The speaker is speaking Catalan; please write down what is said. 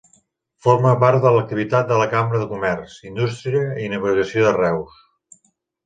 Forma part de l'activitat de la Cambra de Comerç, Indústria i Navegació de Reus.